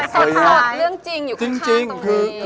สวยสุดเรื่องจริงอยู่คุณชาติตรงนี้